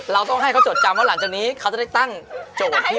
เราต้องให้เขาจดจำว่าหลังจากนี้เขาจะได้ตั้งโจทย์ที่